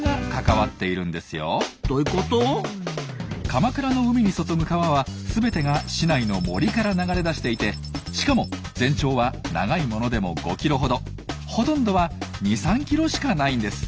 鎌倉の海に注ぐ川は全てが市内の森から流れ出していてしかも全長は長いものでも５キロほどほとんどは２３キロしかないんです。